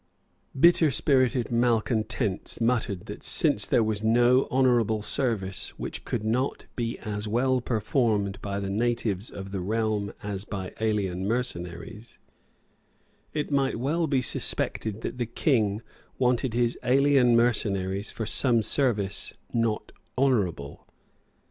Bitter spirited malecontents muttered that, since there was no honourable service which could not be as well performed by the natives of the realm as by alien mercenaries, it might well be suspected that the King wanted his alien mercenaries for some service not honourable.